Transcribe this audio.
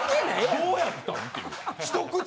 どうやったん？っていう。